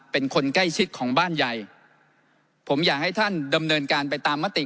เป็นคนใกล้ชิดของบ้านใหญ่ผมอยากให้ท่านดำเนินการไปตามมติ